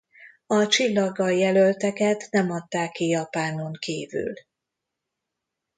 A csillaggal jelölteket nem adták ki Japánon kívül.